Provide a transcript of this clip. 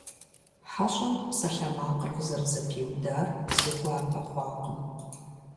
ХьэщӀэм псалъэмакъыр къызэрызэпиудар си гуапэ хъуакъым.